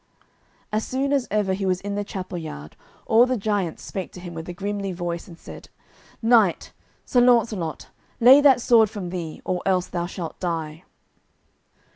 As soon as ever he was in the chapel yard all the giants spake to him with a grimly voice, and said: "Knight, Sir Launcelot, lay that sword from thee, or else thou shalt die."